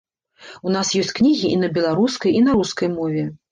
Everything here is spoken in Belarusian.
У нас ёсць кнігі і на беларускай, і на рускай мове.